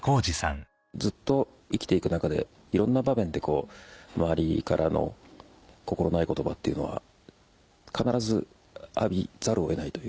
ずっと生きていく中でいろんな場面で周りからの心ない言葉っていうのは必ず浴びざるを得ないというか。